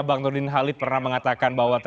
bang nurdin halid pernah mengatakan bahwa